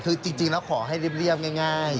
คือจริงแล้วขอให้เรียบง่าย